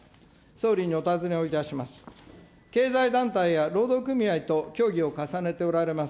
総理にお尋ねをいたします。